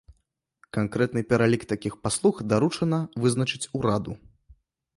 Канкрэтны пералік такіх паслуг даручана вызначыць ураду.